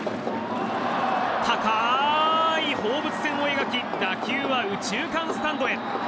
高い放物線を描き打球は右中間スタンドへ。